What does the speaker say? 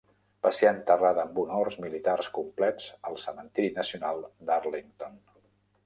Va ser enterrada amb honors militars complets al cementiri nacional d'Arlington.